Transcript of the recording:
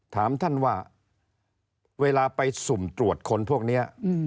ถามท่านว่าเวลาไปสุ่มตรวจคนพวกนี้